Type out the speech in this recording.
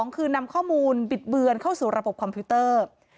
คือนำข้อมูลบิดเบือนเข้าสู่ระบบคอมพิวเตอร์